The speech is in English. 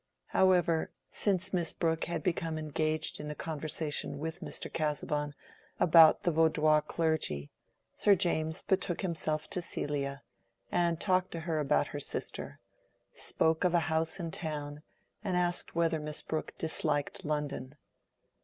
However, since Miss Brooke had become engaged in a conversation with Mr. Casaubon about the Vaudois clergy, Sir James betook himself to Celia, and talked to her about her sister; spoke of a house in town, and asked whether Miss Brooke disliked London.